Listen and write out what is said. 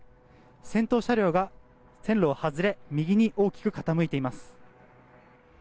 先頭車両が線路を外れ右に大きく傾いています。